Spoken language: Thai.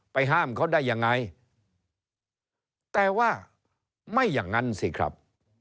ห้ามเขาได้ยังไงแต่ว่าไม่อย่างนั้นสิครับ